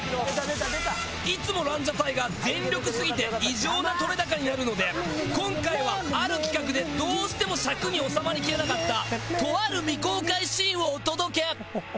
いつもランジャタイが全力すぎて異常な撮れ高になるので今回はある企画でどうしても尺に収まりきらなかったとある未公開シーンをお届け！